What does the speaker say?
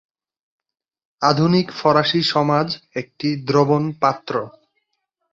আধুনিক ফরাসি সমাজ একটি দ্রবণ পাত্র।